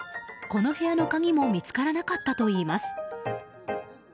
この部屋の鍵も見つからなかったといいます。